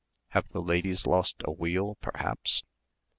"Have the ladies lost a wheel, perhaps?"